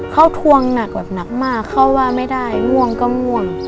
เขาทวงหนักแบบหนักมากเขาว่าไม่ได้ง่วงก็ง่วง